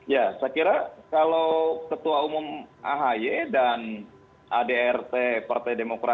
ya saya kira kalau ketua umum ahi dan adrt partai demokrat